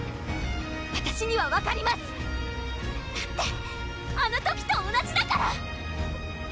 わたしには分かりますだってあの時と同じだから！